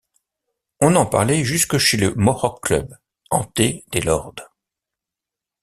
On en parlait jusque chez le Mohock-Club, hanté des lords.